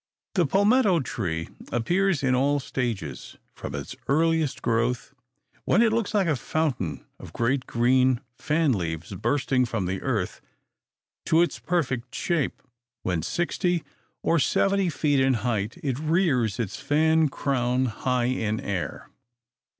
The palmetto tree appears in all stages, from its earliest growth, when it looks like a fountain of great, green fan leaves bursting from the earth, to its perfect shape, when, sixty or seventy feet in height, it rears its fan crown high in air.